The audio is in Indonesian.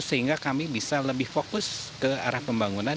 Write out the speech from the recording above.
sehingga kami bisa lebih fokus ke arah pembangunan